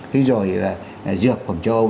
thế rồi là dược phẩm châu âu